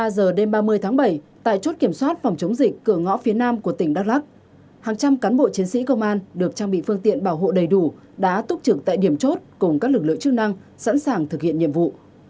một mươi giờ đêm ba mươi tháng bảy tại chốt kiểm soát phòng chống dịch cửa ngõ phía nam của tỉnh đắk lắc hàng trăm cán bộ chiến sĩ công an được trang bị phương tiện bảo hộ đầy đủ đã túc trực tại điểm chốt cùng các lực lượng chức năng sẵn sàng thực hiện nhiệm vụ